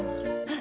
あ。